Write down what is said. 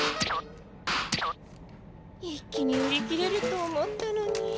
一気に売り切れると思ったのに。